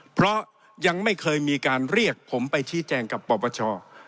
เพราะยังไม่เคยมีการเรียกผมไปชี้แจงกับปปช